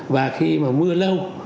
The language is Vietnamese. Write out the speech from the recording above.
và khi mà mưa lâu